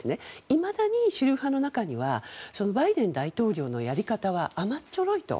いまだに主流派の中にはバイデン大統領のやり方は甘っちょろいと。